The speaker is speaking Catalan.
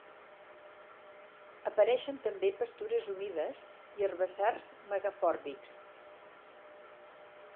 Apareixen també pastures humides i herbassars megafòrbics.